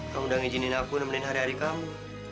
kamu udah ngijinin aku nemenin hari hari kamu